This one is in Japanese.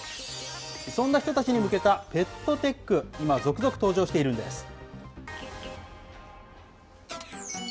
そんな人たちに向けた、ペットテック、今、続々登場しているんです。